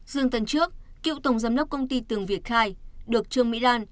dương tấn trước cựu tổng giám đốc công ty tường việt khai được trương mỹ lan